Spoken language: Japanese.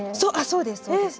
そうですそうです。